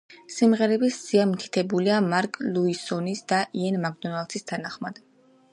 სიმღერების სია მითითებულია მარკ ლუისონის და იენ მაკდონალდის თანახმად.